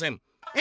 「え？